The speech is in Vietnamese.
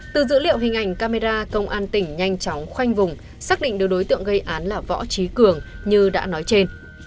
từ dữ liệu hình ảnh camera công an tỉnh nhanh chóng khoanh vùng xác định được đối tượng gây án là võ trí cường như đã nói trên